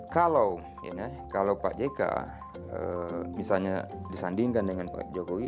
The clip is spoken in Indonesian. kalau pak jk misalnya disandingkan dengan pak jokowi